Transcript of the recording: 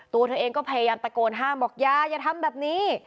ตัวเธอเองก็พยายามตะโกนห้ามบอกอย่าทำแบบนี้